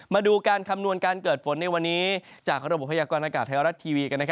มาดูการคำนวณการเกิดฝนในวันนี้จากกรุงดอกบพระยากรอทากาศไทยรัททร์ทีวี